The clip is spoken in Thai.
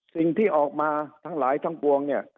สิ่งที่ออกมาทั้งหลายทั้งปวงเนี่ย